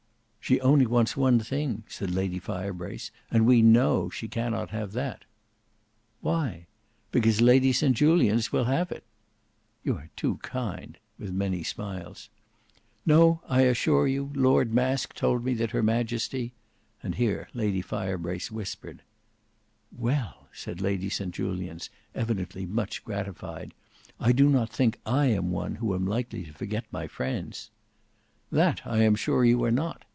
"She only wants one thing," said Lady Firebrace, "and we know she cannot have that." "Why?" "Because Lady St Julians will have it." "You are too kind," with many smiles. "No, I assure you Lord Masque told me that her Majesty—" and here Lady Firehrace whispered. "Well," said Lady St Julians evidently much gratified, "I do not think I am one who am likely to forget my friends." "That I am sure you are not!"